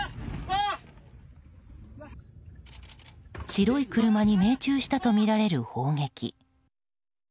白い車に命中したとみられる砲撃。